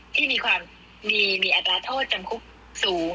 ที่มีความมีอัตราโทษจำคุกสูง